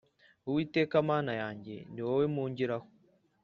Uwiteka Mana yanjye ni wowe mpungiraho